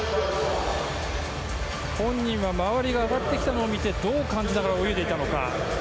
本人は周りが上がってきたのを見てどう感じながら泳いでいたのか。